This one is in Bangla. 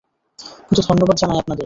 কিন্তু ধন্যবাদ জানাই আপনাদের।